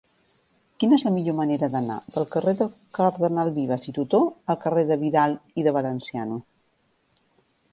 Quina és la millor manera d'anar del carrer del Cardenal Vives i Tutó al carrer de Vidal i de Valenciano?